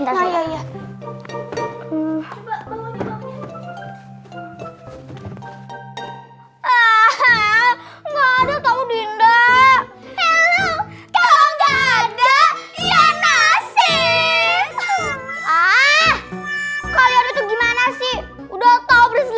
nggak ada tahu dinda kalau nggak ada ya nasib ah kalian itu gimana sih udah tahu berhasil